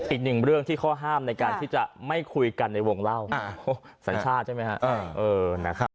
อีกหนึ่งเรื่องที่ข้อห้ามในการที่จะไม่คุยกันในวงเล่าสัญชาติใช่ไหมครับ